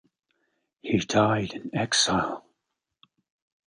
He died in exile.